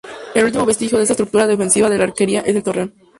El último vestigio de esta estructura defensiva de la alquería es el Torreón.